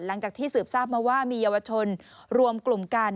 หลังจากที่สืบทราบมาว่ามีเยาวชนรวมกลุ่มกัน